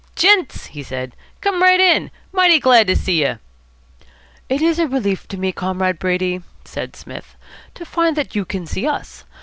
"Gents," he said, "come right in. Mighty glad to see you." "It is a relief to me, Comrade Brady," said Psmith, "to find that you can see us.